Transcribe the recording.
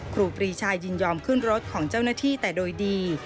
ครูปรีชายินยอมขึ้นรถของเจ้าหน้าที่แต่โดยดี